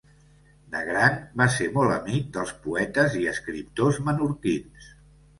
De gran, va ser molt amic dels poetes i escriptors menorquins.